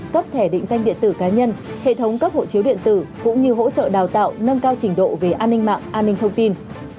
cấp thẻ định danh điện tử cá nhân hệ thống cấp hộ chiếu điện tử cũng như hỗ trợ đào tạo nâng cao trình độ về an ninh mạng an ninh thông tin